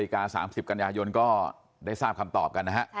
ขอบคุณครับ